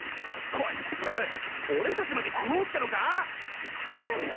こいつ俺たちまで食おうってのか⁉みゅみゅ！